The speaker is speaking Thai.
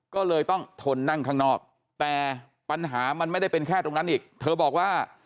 ก็เลยต้องทนนั่งข้างนอกแต่ปัญหามันไม่ได้เป็นแค่ตรงนั้นอีกเธอบอกว่า